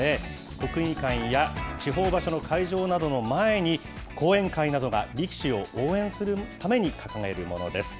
国技館や地方場所の会場などの前に後援会などが、力士を応援するために掲げるものです。